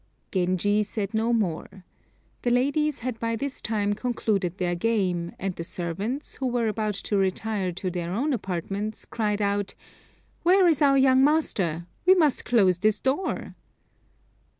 Genji said no more. The ladies had by this time concluded their game, and the servants, who were about to retire to their own apartments, cried out, "Where is our young master? we must close this door."